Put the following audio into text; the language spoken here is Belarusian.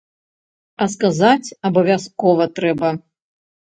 А сказаць абавязкова трэба.